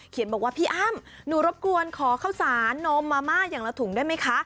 บอกว่าพี่อ้ำหนูรบกวนขอข้าวสารนมมาม่าอย่างละถุงได้ไหมคะ